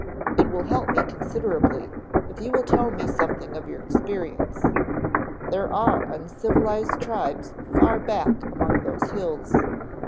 It will help me considerably if you will tell me something of your experience. There are uncivilized tribes far back among those hills.